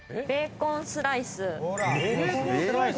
ベーコンスライス？